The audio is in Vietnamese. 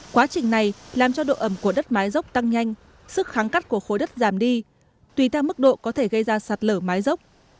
quá trình này làm cho độ ẩm của đất mái dốc tăng nhanh sức kháng cắt của khối đất giảm đi tùy theo mức độ có thể gây ra sạt lở mái dốc